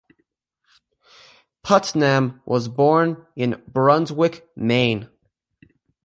Putnam was born in Brunswick, Maine.